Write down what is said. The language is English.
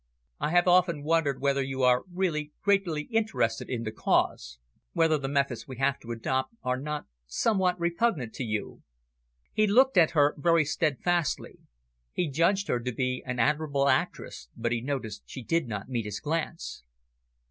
"I have often wondered whether you are really greatly interested in the Cause? Whether the methods we have to adopt are not somewhat repugnant to you?" He looked at her very steadfastly. He judged her to be an admirable actress, but he noticed she did not meet his glance.